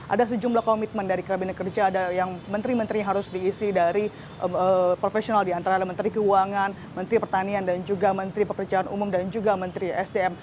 ada sejumlah komitmen dari kabinet kerja yang menteri menteri harus diisi dari profesional diantara menteri keuangan menteri pertanian dan juga menteri pekerjaan umum dan juga menteri sdm